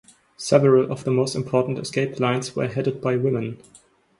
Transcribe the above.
Several of the most important escape lines were headed by women.